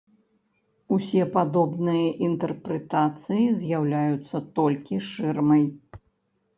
Усе падобныя інтэрпрэтацыі з'яўляюцца толькі шырмай.